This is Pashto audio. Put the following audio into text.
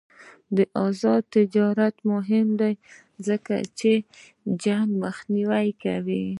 آزاد تجارت مهم دی ځکه چې جنګ مخنیوی کوي.